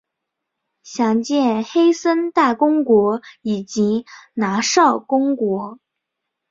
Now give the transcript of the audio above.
详见黑森大公国以及拿绍公国。